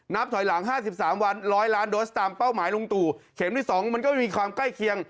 นับถอยหลังห้าสิบสามวันร้อยล้านโดสตามเป้าหมายลุงตู่เข็มที่สองมันก็ไม่มีความใกล้เคียง